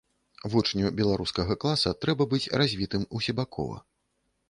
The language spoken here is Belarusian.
Вучню беларускага класа трэба быць развітым усебакова.